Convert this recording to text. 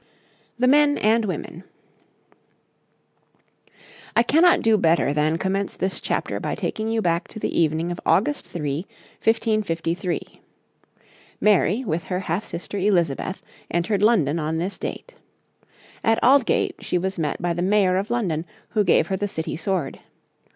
THE MEN AND WOMEN I cannot do better than commence this chapter by taking you back to the evening of August 3, 1553. Mary, with her half sister Elizabeth, entered London on this date. At Aldgate she was met by the Mayor of London, who gave her the City sword.